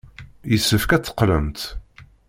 Yessefk ad teqqlemt.